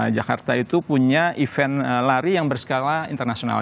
jakarta itu punya event lari yang berskala internasional